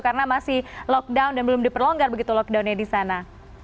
karena masih lockdown dan belum diperlonggar begitu lockdownnya di sana